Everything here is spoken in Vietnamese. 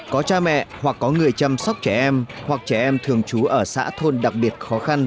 có cha mẹ hoặc có người chăm sóc trẻ em hoặc trẻ em thường trú ở xã thôn đặc biệt khó khăn